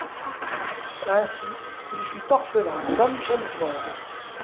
Ainsi, il fut orphelin comme James Bond.